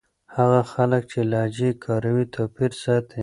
هغه خلک چې لهجې کاروي توپير ساتي.